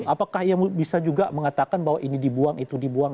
apakah ia bisa juga mengatakan bahwa ini dibuang itu dibuang